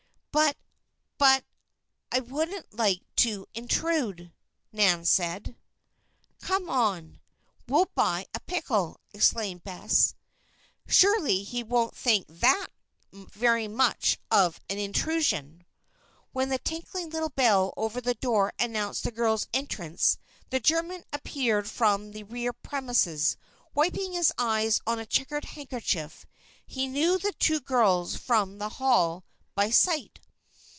"But but I wouldn't like to intrude," Nan said. "Come on! We'll buy a pickle," exclaimed Bess. "Surely he won't think that very much of an intrusion." When the tinkling little bell over the door announced the girls' entrance the German appeared from the rear premises, wiping his eyes on a checked handkerchief. He knew the two girls from the Hall by sight.